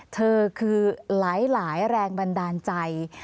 เธอคือหลายแรงบันดาลใจ